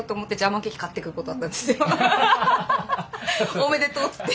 おめでとうつって。